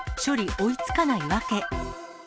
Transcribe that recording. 追いつかない訳。